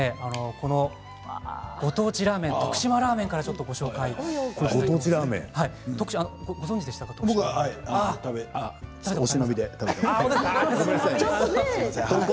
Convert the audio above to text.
ご当地ラーメン、徳島ラーメンからご紹介します。